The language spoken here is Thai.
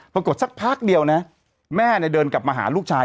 สักพักเดียวนะแม่เดินกลับมาหาลูกชาย